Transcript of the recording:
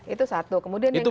itu satu kemudian yang kedua